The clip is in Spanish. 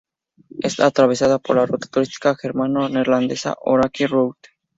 Es atravesada por la ruta turística germano-neerlandesa Oranier-Route.